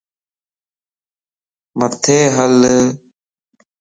مٿي ھل